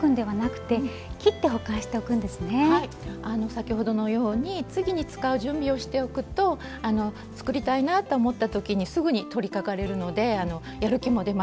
先ほどのように次に使う準備をしておくと作りたいなと思った時にすぐに取りかかれるのでやる気も出ますよね。